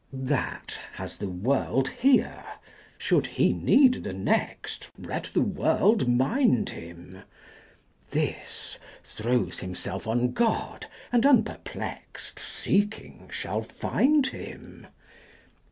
120 That, has the world here should he need the next, Let the world mind him! This, throws himself on God, and unperplexed Seeking shall find him.